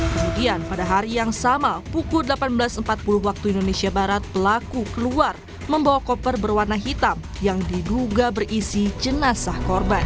kemudian pada hari yang sama pukul delapan belas empat puluh waktu indonesia barat pelaku keluar membawa koper berwarna hitam yang diduga berisi jenazah korban